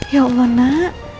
ya allah nak